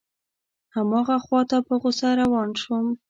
هماغه خواته په غوسه روان شوم.